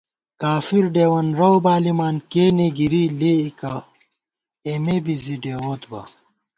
کافر ڈېوَن رَؤ بالِمان کېنےگِری لېئیکہ اېمےبی زی ڈېووت بہ